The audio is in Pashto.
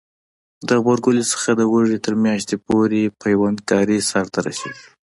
د غبرګولي څخه د وږي تر میاشتې پورې پیوند کاری سرته رسیږي.